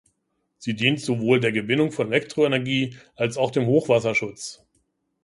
Sie dient sowohl der Gewinnung von Elektroenergie als auch dem Hochwasserschutz.